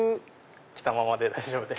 着たままで大丈夫です。